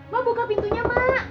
mak buka pintunya mak